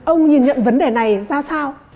ông nhìn nhận vấn đề này ra sao